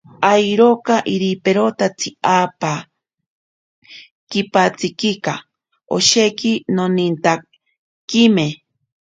Awiroka iriperotatsi apaa kipatsikika, osheki nonintakime.